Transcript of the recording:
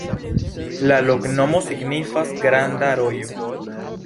La loknomo signifas: granda rojo.